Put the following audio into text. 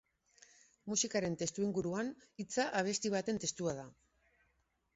Musikaren testuinguruan, hitza abesti baten testua da.